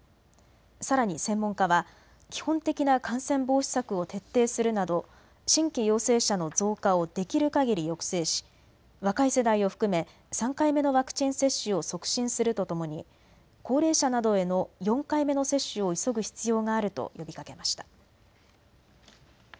さらに専門家は基本的な感染防止策を徹底するなど新規陽性者の増加をできるかぎり抑制し若い世代を含め３回目のワクチン接種を促進するとともに高齢者などへの４回目の接種を急ぐ必要があると呼びかけました。